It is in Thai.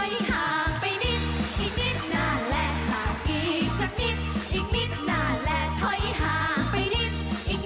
ท้อยห่างไปนิดอีกนิดนานและห่างอีกสักนิด